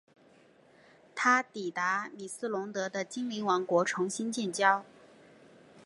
他抵达米斯龙德的精灵王国重新建交。